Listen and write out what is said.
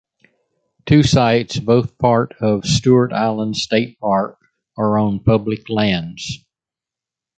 Two sites, both part of Stuart Island State Park, are on public lands.